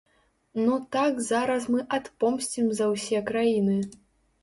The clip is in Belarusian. Ну так зараз мы адпомсцім за ўсе краіны.